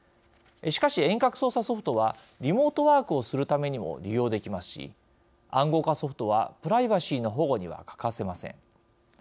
しかし、遠隔操作ソフトはリモートワークをするためにも利用できますし、暗号化ソフトはプライバシーの保護には欠かせません。